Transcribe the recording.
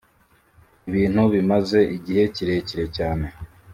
Ibintu bimaze igihe kirekire cyane